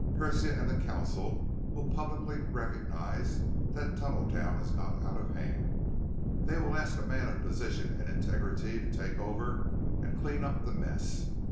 Persia and the council will publicly recognize that Tunneltown has got out of hand. They will ask a man of position and integrity to take over and clean up the mess.